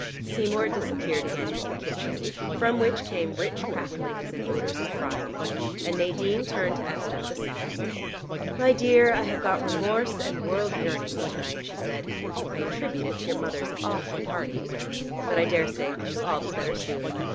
Seymour disappeared again into the kitchen from which came rich cracklings and odors of frying, and Nadine turned to Esther with a sigh. "My dear, I have got remorse and world yearnings to night," she said. "I attribute it to your mother's awful party. But I daresay we shall all be better soon.